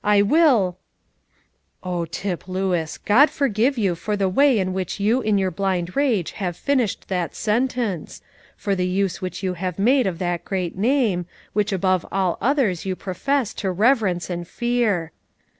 I will" Oh, Tip Lewis! God forgive you for the way in which you in your blind rage have finished that sentence, for the use which you have made of that great Name, which above all others you profess to reverence and fear!